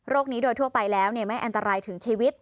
นี้โดยทั่วไปแล้วไม่อันตรายถึงชีวิต